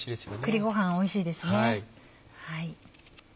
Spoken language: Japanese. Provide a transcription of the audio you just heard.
栗ご飯おいしいですね。